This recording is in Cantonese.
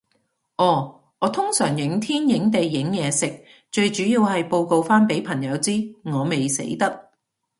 哦，我通常影天影地影嘢食，最主要係報告返畀朋友知，我未死得